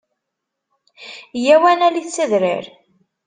Yya-w ad nalit s adrar!